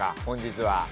本日は。